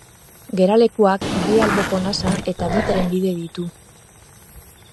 Geralekuak bi alboko nasa eta bi trenbide ditu.